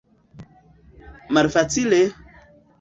Malfacile!